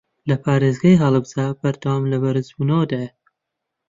لە پارێزگای هەڵەبجە بەردەوام لە بەرزبوونەوەدایە